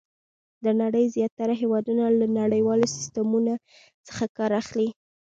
د نړۍ زیاتره هېوادونه له نړیوالو سیسټمونو څخه کار اخلي.